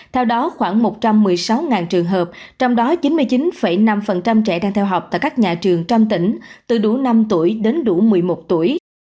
theo đó khoảng một trăm một mươi sáu trường hợp trong đó chín mươi chín năm trẻ đang theo học tại các nhà trường trong tỉnh từ đủ năm tuổi đến đủ một mươi một tuổi